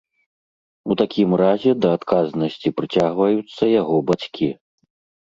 У такім разе да адказнасці прыцягваюцца яго бацькі.